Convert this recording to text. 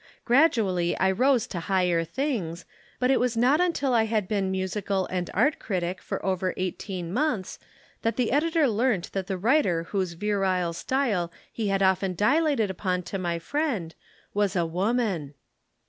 Gradually I rose to higher things, but it was not until I had been musical and art critic for over eighteen months that the editor learnt that the writer whose virile style he had often dilated upon to my friend was a woman."